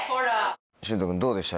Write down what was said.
君どうでした？